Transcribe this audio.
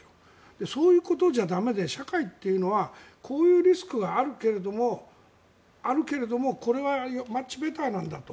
そういうことじゃ駄目で社会というのはこういうリスクがあるけどこれはマッチベターなんだと。